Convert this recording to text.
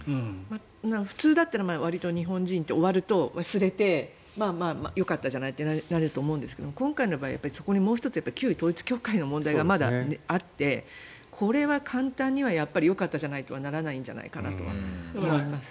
普通だったらわりと日本人って終わると忘れてまあまあ、よかったじゃないとなると思うんですが今回の場合はそこにもう１つ旧統一教会の問題がまだあってこれは簡単にはやっぱりよかったじゃないとはならないと思います。